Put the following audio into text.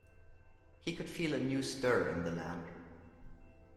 He could feel a new stir in the land.